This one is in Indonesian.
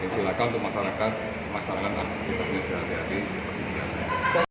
silakan untuk masyarakat masyarakat harus tetap berhati hati seperti biasa